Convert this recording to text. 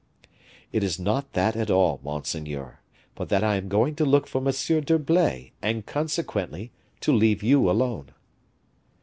"It is not that, at all, monseigneur; but that I am going to look for M. d'Herblay, and, consequently, to leave you alone."